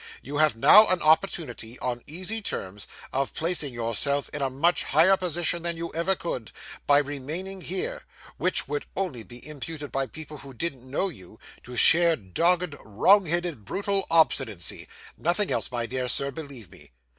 You have now an opportunity, on easy terms, of placing yourself in a much higher position than you ever could, by remaining here; which would only be imputed, by people who didn't know you, to sheer dogged, wrongheaded, brutal obstinacy; nothing else, my dear Sir, believe me.